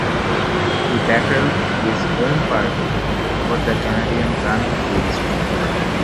He "battled his own party" over the Canadian gun registry.